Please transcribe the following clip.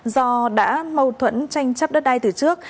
do đã mâu thuẫn tranh chấp đất đai từ trước